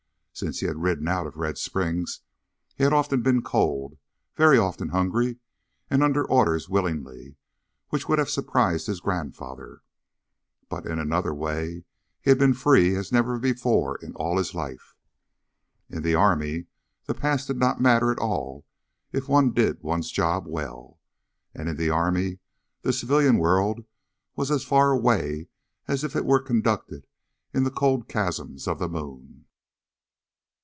Since he had ridden out of Red Springs he had often been cold, very often hungry and under orders willingly, which would have surprised his grandfather but in another way he had been free as never before in all his life. In the army, the past did not matter at all if one did one's job well. And in the army, the civilian world was as far away as if it were conducted in the cold chasms of the moon.